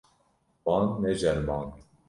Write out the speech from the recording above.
Wan neceriband.